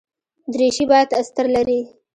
دریشي باید استر لري.